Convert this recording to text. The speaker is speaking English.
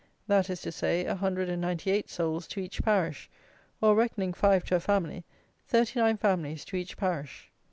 That is to say, a hundred and ninety eight souls to each parish; or, reckoning five to a family, thirty nine families to each parish.